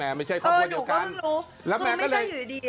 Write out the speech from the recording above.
แม่ไม่ใช่ครอบครัวเดียวกันแล้วแม่ก็เลยลงเลยว่าเออหนูก็ไม่รู้